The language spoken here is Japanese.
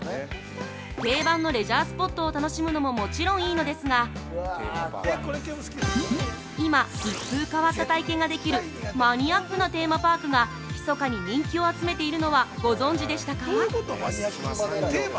定番のレジャースポットを楽しむのももちろんいいのですが今、一風変わった体験ができるマニアックなテーマパークが密かに人気を集めているのはご存じでしたか。